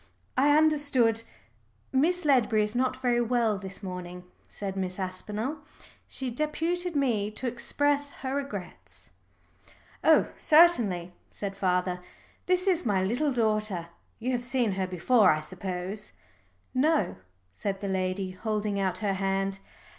"I understood " "Miss Ledbury is not very well this morning," said Miss Aspinall. "She deputed me to express her regrets." "Oh certainly," said father. "This is my little daughter you have seen her before, I suppose?" "No," said the lady, holding out her hand.